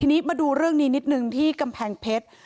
ทีนี้มาดูเรื่องนี้นิดนึงที่กำแพงเพชร